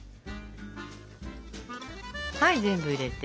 はい全部入れて。